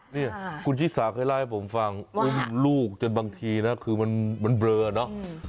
นี่คุณชิสาเคยเล่าให้ผมฟังอุ้มลูกจนบางทีนะคือมันเบลอเนอะ